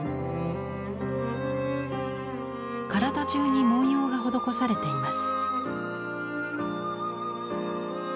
体中に文様が施されています。